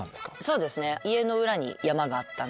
そうですね。